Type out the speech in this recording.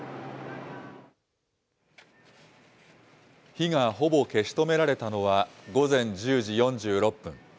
火がほぼ消し止められたのは、午前１０時４６分。